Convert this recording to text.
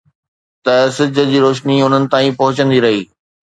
ته سج جي روشني انهن تائين پهچندي رهي